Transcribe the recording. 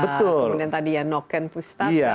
betul kemudian tadi ya noken pustaka